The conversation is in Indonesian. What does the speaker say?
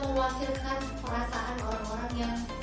terus menjadi penyanyi yang lebih baik